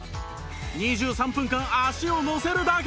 ２３分間足を乗せるだけ